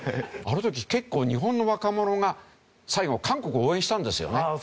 あの時結構日本の若者が最後韓国を応援したんですよね。